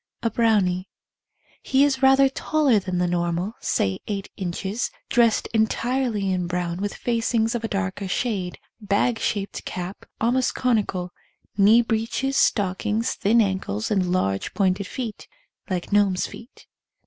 A Brownie. He is rather taller than the normal, say eight inches, dressed entirely in brown with facings of a darker shade, bag shaped cap, almost conical, knee breeches, stockings, thin ankles, and large pointed feet — like gnomes' feet.